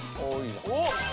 おっ。